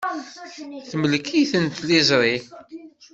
Temlek-iten tliẓri.